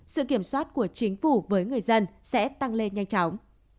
sự kiểm soát của chính phủ với người dân sẽ tăng lên nhanh chóng